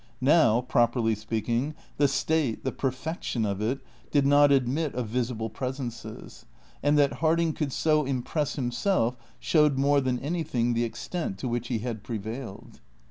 Now, properly speaking, the state, the perfection of it, did not admit of visible presences, and that Harding could so impress himself showed more than anything the extent to which he had prevailed.